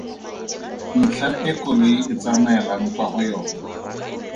Ntlha e koloi e tsamaelang kwa go yona.